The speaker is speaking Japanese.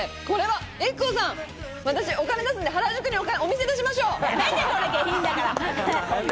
これはＩＫＫＯさん、私お金出すんで、原宿にお店、出しましょう。